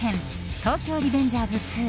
「東京リベンジャーズ２」。